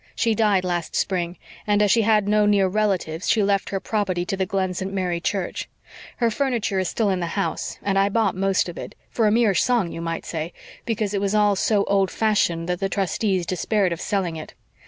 She died last spring, and as she had no near relatives she left her property to the Glen St. Mary Church. Her furniture is still in the house, and I bought most of it for a mere song you might say, because it was all so old fashioned that the trustees despaired of selling it.